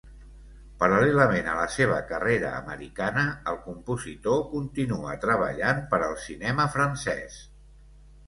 Paral·lelament a la seva carrera americana, el compositor continua treballant per al cinema francès.